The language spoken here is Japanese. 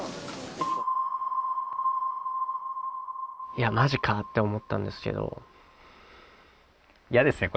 いやマジかって思ったんですけど嫌ですね